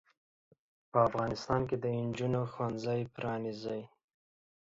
په افغانستان کې د انجونو ښوونځې پرانځئ.